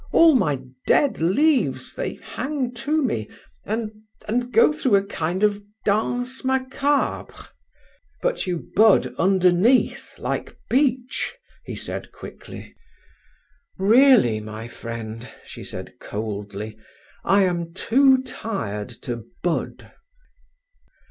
All my dead leaves, they hang to me—and—and go through a kind of danse macabre—" "But you bud underneath—like beech," he said quickly. "Really, my friend," she said coldly, "I am too tired to bud."